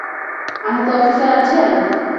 আহত অফিসার আছেন!